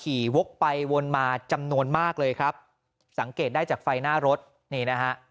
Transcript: วกไปวนมาจำนวนมากเลยครับสังเกตได้จากไฟหน้ารถนี่นะฮะ